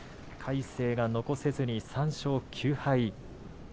魁聖は残せずに、３勝９敗。